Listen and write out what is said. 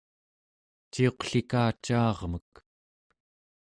ciuqlikacaarmek